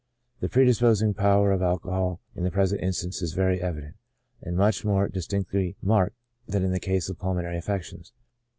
The predisposing power of alcohol in the present instance is very evident, and much more distinctly marked than in the case of pul monary affections.